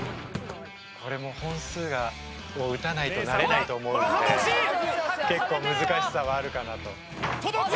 これも本数を打たないと慣れないと思うんで結構難しさはあるかなと届くか？